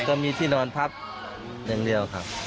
ก็มีที่นอนพักอย่างเดียวครับ